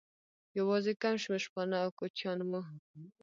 یوازې کم شمېر شپانه او کوچیان وو.